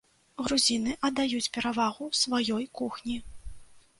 Грузіны аддаюць перавагу сваёй кухні.